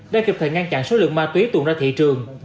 đã kịp thời ngăn chặn số lượng ma túy tuồn ra thị trường